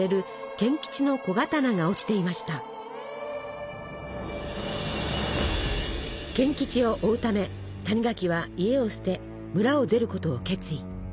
賢吉を追うため谷垣は家を捨て村を出ることを決意。